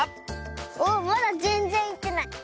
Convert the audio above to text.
おっまだぜんぜんいってない。